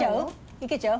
いけちゃう？